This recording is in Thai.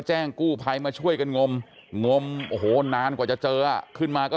แจ้งกู้ภัยมาช่วยกันงมงมโอ้โหนานกว่าจะเจออ่ะขึ้นมาก็